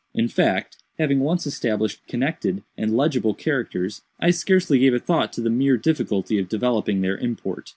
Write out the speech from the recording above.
In fact, having once established connected and legible characters, I scarcely gave a thought to the mere difficulty of developing their import.